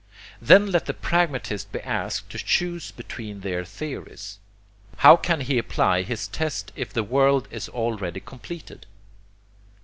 Then let the pragmatist be asked to choose between their theories. How can he apply his test if the world is already completed?